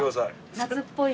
夏っぽい。